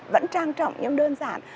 vẫn trang trọng nhưng đơn giản